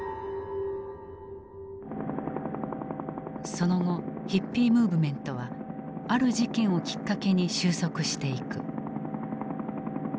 その後ヒッピー・ムーブメントはある事件をきっかけに収束していく。